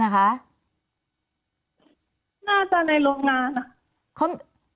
น่าจะในโรงงาน